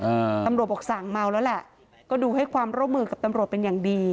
อ่าตำรวจบอกสั่งเมาแล้วแหละก็ดูให้ความร่วมมือกับตำรวจเป็นอย่างดี